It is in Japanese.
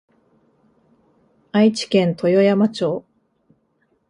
愛知県豊山町